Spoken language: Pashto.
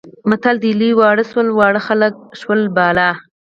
متل دی لوی واړه شول، واړه خلک شول بالا.